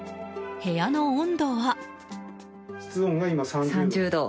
部屋の温度は。